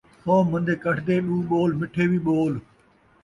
سو من٘دے کڈھ تے ݙو ٻول مِٹھے وی ٻول